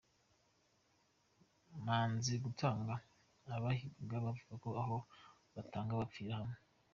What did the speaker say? Banze gutanga abahigwaga bavuga ko aho kubatanga bapfira hamwe